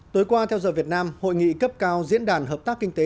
tối qua theo giờ việt nam hội nghị cấp cao diễn đàn hợp tác kinh tế